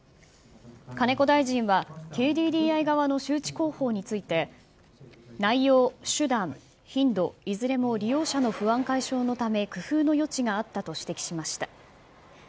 金子大臣は、ＫＤＤＩ側の周知広報について、内容、手段、頻度、いずれも利用者の不安解消のため、工夫の余地があったと指摘しました。